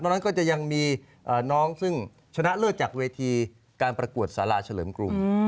นั้นก็จะยังมีน้องซึ่งชนะเลิศจากเวทีการประกวดสาราเฉลิมกรุง